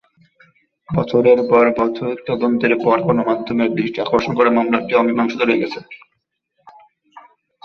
বছরের পর বছর তদন্তের পর, গণমাধ্যমের দৃষ্টি আকর্ষণ করা মামলাটি অমীমাংসিত রয়ে গেছে।